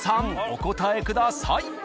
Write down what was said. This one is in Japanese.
お答えください。